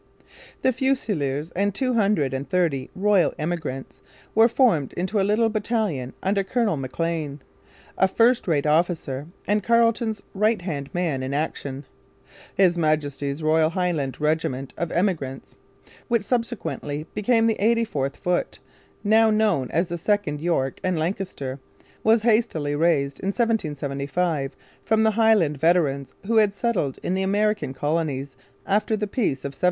The Fusiliers and two hundred and thirty 'Royal Emigrants' were formed into a little battalion under Colonel Maclean, a first rate officer and Carleton's right hand man in action. 'His Majesty's Royal Highland Regiment of Emigrants,' which subsequently became the 84th Foot, now known as the 2nd York and Lancaster, was hastily raised in 1775 from the Highland veterans who had settled in the American colonies after the Peace of 1763.